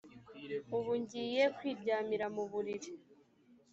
ubu ngiye kwiryamira mu buriri